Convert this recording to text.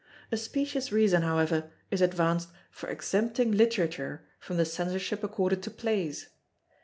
A specious reason, however, is advanced for exempting Literature from the Censorship accorded to Plays.